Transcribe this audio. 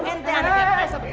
ente ada pia pia satu malam